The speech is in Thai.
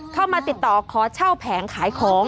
เข้ามาติดต่อขอเช่าแผงขายของ